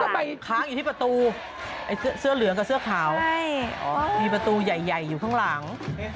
ไปค้างอยู่ที่ประตูเสื้อเหลืองกับเสื้อขาวมีประตูใหญ่อยู่ข้างหลัง